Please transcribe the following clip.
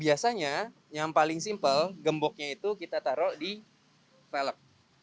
biasanya yang paling simpel gemboknya itu kita taruh di velg